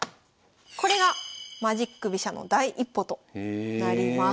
これがマジック飛車の第一歩となります。